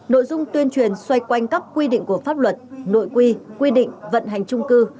nội dung tuyên truyền xoay quanh các quy định của pháp luật nội quy quy định vận hành trung cư